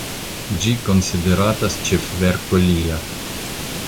Ĝi konsideratas ĉefverko lia.